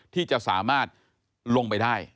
ที่จะสามารถลงไปได้